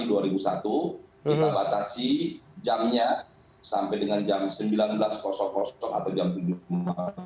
kita batasi jamnya sampai dengan jam sembilan belas atau jam tujuh malam